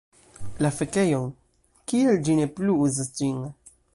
La fekejon. Kial ĝi ne plu uzas ĝin.